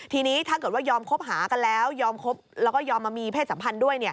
ทีนี้ถ้าเกิดว่ายอมคบหากันแล้วยอมคบแล้วก็ยอมมามีเพศสัมพันธ์ด้วย